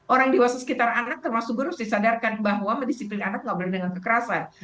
orang dewasa sekitar anak termasuk guru harus disadarkan bahwa mendisiplin anak tidak boleh dengan kekerasan